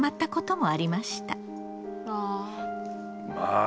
ああ。